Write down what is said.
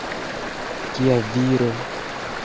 Kia viro!